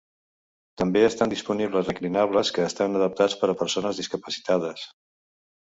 També estan disponibles reclinables que estan adaptats per a persones discapacitades.